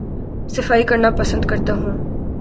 صفائی کرنا پسند کرتا ہوں